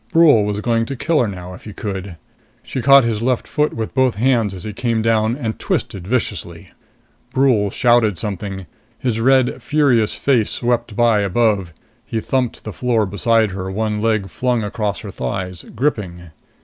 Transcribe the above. Brule was going to kill her now, if he could. She caught his left foot with both hands as he came down, and twisted viciously. Brule shouted something. His red, furious face swept by above. He thumped to the floor beside her, one leg flung across her thighs, gripping.